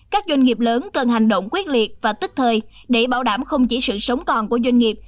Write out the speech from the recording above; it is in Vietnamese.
các doanh nghiệp lớn cần hành động quyết liệt và tích thời để bảo đảm không chỉ sự sống còn của doanh nghiệp